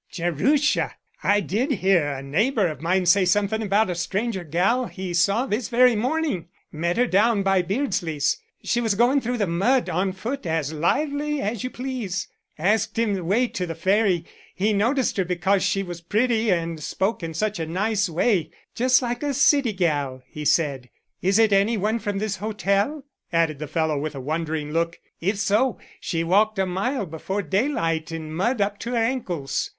"Jerusha! I did hear a neighbor of mine say somethin' about a stranger gal he saw this very mornin'. Met her down by Beardsley's. She was goin' through the mud on foot as lively as you please. Asked him the way to the Ferry. He noticed her because she was pretty and spoke in such a nice way just like a city gal," he said. "Is it any one from this hotel?" added the fellow with a wondering look. "If so, she walked a mile before daylight in mud up to her ankles.